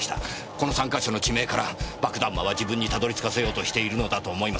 この３か所の地名から爆弾魔は自分にたどり着かせようとしているのだと思います。